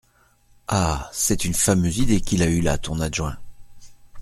Ah !… c’est une fameuse idée qu’il a eue là, ton adjoint !…